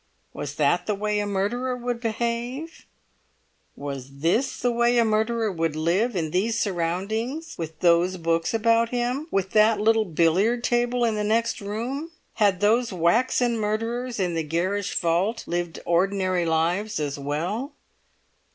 Was that the way a murderer would behave? Was this the way a murderer would live, in these surroundings, with those books about him, with that little billiard table in the next room? Had those waxen murderers in the garish vault lived ordinary lives as well?